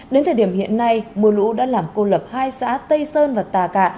đến thời điểm hiện nay mưa lũ đã làm cô lập hai xã tây sơn và tà cạ